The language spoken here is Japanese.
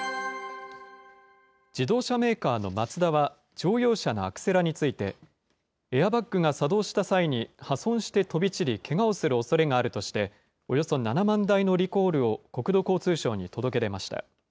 自動車メーカーのマツダは、乗用車のアクセラについて、エアバッグが作動した際に破損して飛び散り、けがをするおそれがあるとして、およそ７万台のリコールを国土交通省に届け出ました。